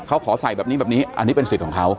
เขาขอใส่แบบนี้แบบนี้อันนี้เป็นสิทธิ์ของเขา